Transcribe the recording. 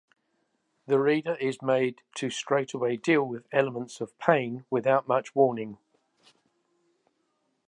The reader is made to straightaway deal with elements of pain without much warning.